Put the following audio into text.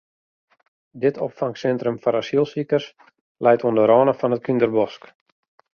Dit opfangsintrum foar asylsikers leit oan de râne fan it Kúnderbosk.